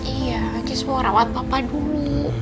iya kis mau rawat papa dulu